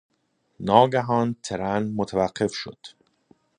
ناگهان ترن متوقف شد.